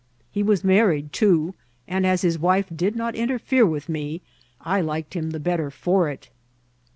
He was married, too ; and as his wife did not interfere with me, I liked him the better for it.